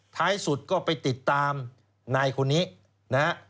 ท้ายสุดก็ไปติดตามนายคนนี้นะฮะ